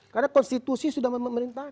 karena konstitusi sudah pemerintah